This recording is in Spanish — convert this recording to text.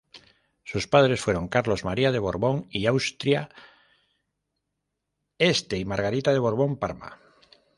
Sus padres fueron Carlos María de Borbón y Austria-Este y Margarita de Borbón-Parma.